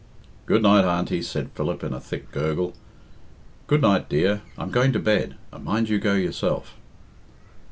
"Good night, Auntie," said Philip, in a thick gurgle. "Good night, dear. I'm going to bed, and mind you go yourself."